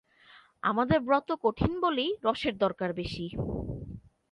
আমাদের ব্রত কঠিন বলেই রসের দরকার বেশি।